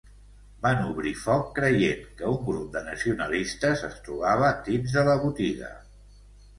Van obrir foc creient que un grup de nacionalistes es trobava dins de la botiga.